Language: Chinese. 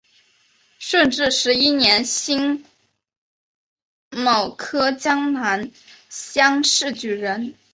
顺治十一年辛卯科江南乡试举人。